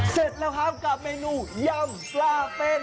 เสร็จแล้วครับกับเมนูยำปลาเป็น